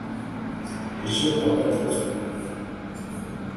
Ejo kuwa gatatu